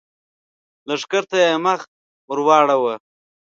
لښکر ته يې مخ ور واړاوه!